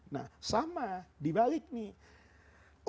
nah sama dibalik nih